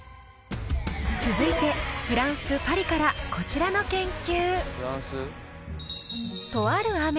続いてフランス・パリからこちらの研究。